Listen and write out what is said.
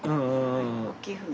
大きい船。